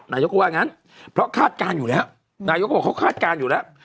นายกก็ว่างั้นเพราะคาดการณ์อยู่แล้วนายกก็บอกเขาคาดการณ์อยู่แล้ว